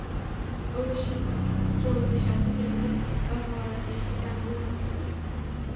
অভিবাসী শ্রমিকদের স্বার্থ কীভাবে রক্ষা করা যায়, সেটা আমাদের ভাবতে হবে।